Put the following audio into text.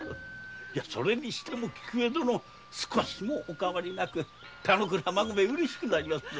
それにしても菊江殿少しもお変わりなく田之倉孫兵衛うれしくなりますぞ。